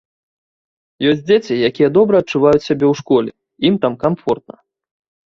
Ёсць дзеці, якія добра адчуваюць сябе ў школе, ім там камфортна.